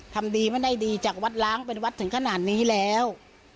ทำดีไม่ได้ดีจากวัดล้างเป็นวัดถึงขนาดนี้แล้ว